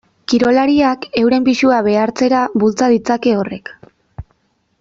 Kirolariak euren pisua behartzera bultza ditzake horrek.